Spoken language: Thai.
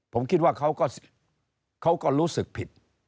ผมคิดว่าเขาก็รู้สึกผิด